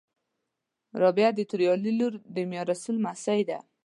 رابعه د توریالي لور د میارسول لمسۍ ده